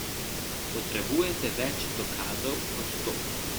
Potrebujete več dokazov kot to.